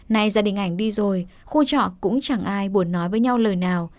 nay gia đình ảnh đi rồi khu trọ cũng chẳng ai buồn nói với nhau lời nào